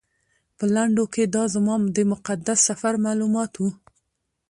په لنډو کې دا زما د مقدس سفر معلومات و.